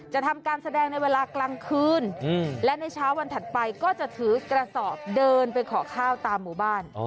ทำการแสดงในเวลากลางคืนและในเช้าวันถัดไปก็จะถือกระสอบเดินไปขอข้าวตามหมู่บ้าน